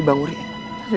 ri bangun ri